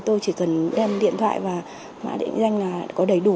tôi chỉ cần đem điện thoại và mã định danh là có đầy đủ